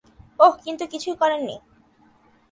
ওহ, কিন্তু কিছুই করেননি?